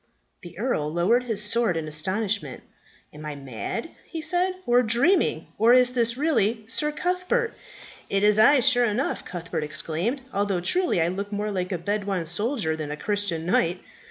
The earl lowered his sword in astonishment. "Am I mad," he said, "or dreaming, or is this really Sir Cuthbert?" "It is I sure enough," Cuthbert exclaimed, "although truly I look more like a Bedouin soldier than a Christian knight."